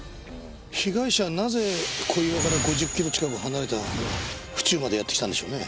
被害者はなぜ小岩から５０キロ近く離れた府中までやって来たんでしょうね？